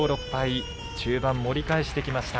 中盤、盛り返してきました。